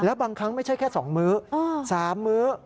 แล้วบางครั้งไม่ใช่แค่๒มื้อ๓มื้อ